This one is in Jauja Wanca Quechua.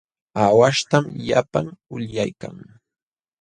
Aawahtam llapan ulyaykan.